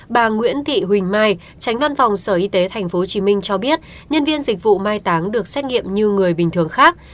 bà nguyễn thị huỳnh mai tránh văn phòng sở y tế tp hcm cho biết nhân viên dịch vụ mai táng được xét nghiệm như người bình thường khác